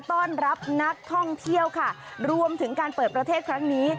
ต้อนรับนักท่องเที่ยวค่ะรวมถึงการเปิดประเทศครั้งนี้